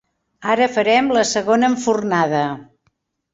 Ara farem la segona enfornada.